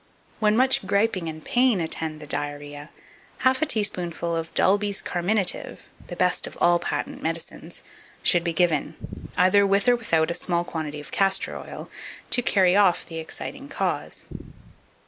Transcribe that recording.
2575. When much griping and pain attend the diarrhoea, half a teaspoonful of Dalby's Carminative (the best of all patent medicines) should be given, either with or without a small quantity of castor oil to carry off the exciting cause.